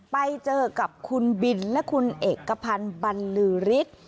ไปเจอกับคุณบินและคุณเอกพันธ์บรรลือฤทธิ์